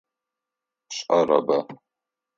Пшӏэрэба?